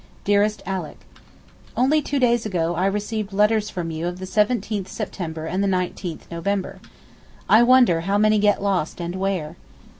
DEAREST ALICK, Only two days ago I received letters from you of the 17 September and the 19 November. I wonder how many get lost and where?